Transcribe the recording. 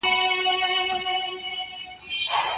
که ته لټون وکړې ځواب موندلی سې.